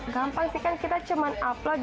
gampang sih kan kita cuma upload